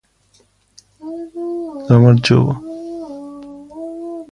As all expected the jury was directed to find him guilty.